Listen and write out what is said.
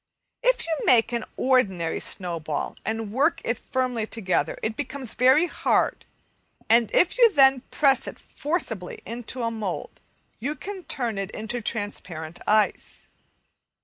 If you make an ordinary snowball and work it firmly together, it becomes very hard, and if you then press it forcibly into a mould you can turn it into transparent ice.